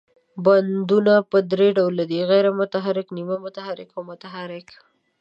بندونه په درې ډوله دي، غیر متحرک، نیمه متحرک او متحرک.